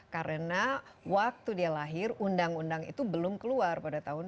karena waktu dia lahir undang undang itu belum keluar pada tahun dua ribu enam